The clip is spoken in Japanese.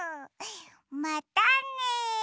またね！